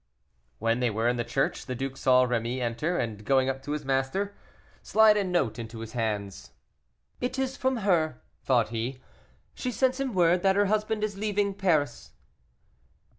When they were in the church, the duke saw Rémy enter, and going up to his master, slide a note into his hand. "It is from her," thought he; "she sends him word that her husband is leaving Paris."